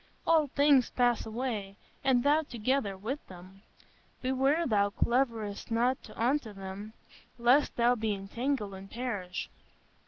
All things pass away, and thou together with them. Beware thou cleavest not unto them, lest thou be entangled and perish....